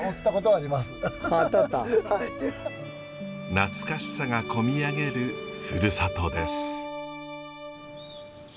懐かしさがこみ上げるふるさとです。